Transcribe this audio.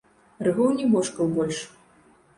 Рыгор не божкаў больш.